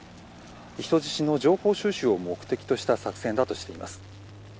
人質の情報収集を目的とした作戦だとしています。